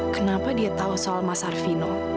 kenapa dia tahu soal mas arvino